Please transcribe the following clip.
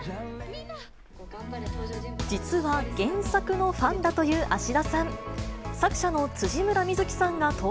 実は原作のファンだという芦田さん。